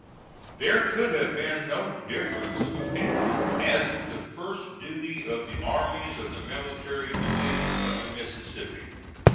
There could have been no difference of opinion as to the first duty of the armies of the military division of the Mississippi.